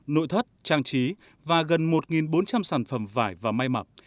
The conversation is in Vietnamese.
nội thất trang trí và gần một bốn trăm linh sản phẩm vải và may mặc